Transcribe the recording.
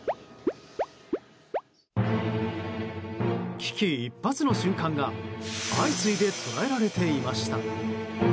危機一髪の瞬間が相次いで捉えられていました。